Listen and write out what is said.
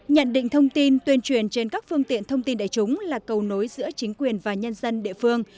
nhận định thông tin tuyên truyền trên các phương tiện thông tin đại chúng là cầu nối giữa chính quyền và nhân dân địa phương